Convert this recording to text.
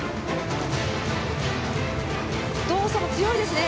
動作も強いですね。